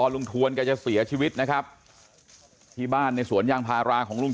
ทวนแกจะเสียชีวิตนะครับที่บ้านในสวนยางพาราของลุง